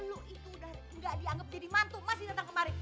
lu tuh ngapain sih datang kemari